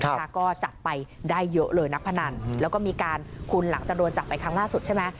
ก็จับไปได้เยอะเลยนักพนันแล้วก็มีการคุณหลังจากโดนจับไปครั้งล่าสุดใช่ไหม